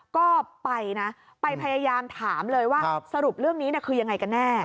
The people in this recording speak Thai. ก็ไปนะไปพยายามถามเลยว่าสรุปเรื่องนี้คือยังไงกันแน่